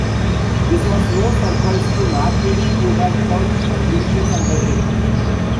This was no surprise to MacLeish, who had thirty-five divisions under him.